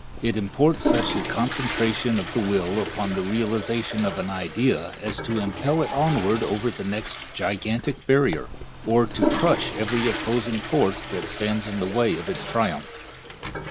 It imports such a concentration of the will upon the realization of an idea as to impel it onward over the next gigantic barrier, or to crush every opposing force that stands in the way of its triumph.